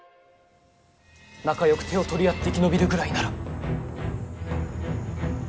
仲よく手を取り合って生き延びるぐらいなら。